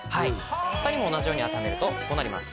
他にも同じように当てはめるとこうなります。